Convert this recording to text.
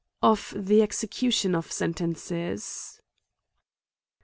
Of the Execiitio7i of Sentences.